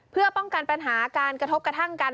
เพื่อป้องกันปัญหาการกระทบกระทั่งกัน